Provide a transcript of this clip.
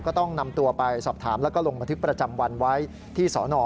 ก็ต้องนำตัวไปสอบถามแล้วก็ลงบันทึกประจำวันไว้ที่สน